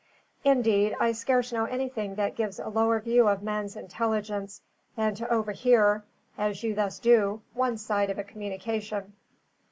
Indeed, I scarce know anything that gives a lower view of man's intelligence than to overhear (as you thus do) one side of a communication.